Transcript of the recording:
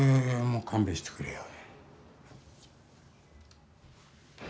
もう勘弁してくれよ。